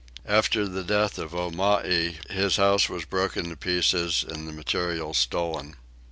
After the death of Omai his house was broken to pieces and the materials stolen.